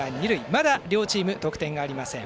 まだ両チーム得点がありません。